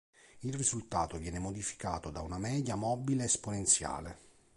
Il risultato viene modificato da una media mobile esponenziale.